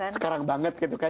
sekarang banget gitu kan